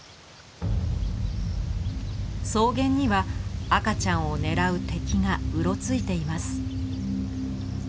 草原には赤ちゃんを狙う敵がうろついています。